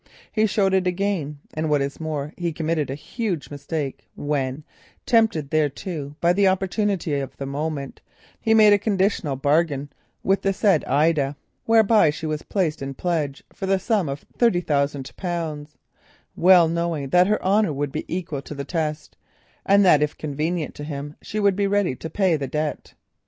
He showed it again, and what is more he committed a huge mistake, when tempted thereto by the opportunity of the moment, he made a conditional bargain with the said Ida, whereby she was placed in pledge for a sum of thirty thousand pounds, well knowing that her honour would be equal to the test, and that if convenient to him she would be ready to pay the debt.